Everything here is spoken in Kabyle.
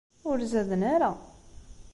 Ur zaden ara.